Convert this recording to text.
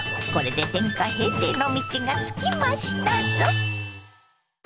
これで天下平定の道がつきましたぞ。